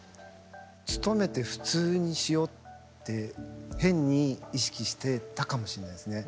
努めて普通にしようって変に意識してたかもしれないですね。